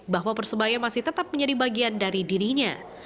bahwa persebaya masih tetap menjadi bagian dari dirinya